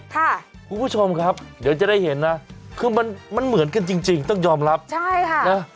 คุณผู้ชมครับเดี๋ยวจะได้เห็นนะคือมันมันเหมือนกันจริงจริงต้องยอมรับใช่ค่ะนะ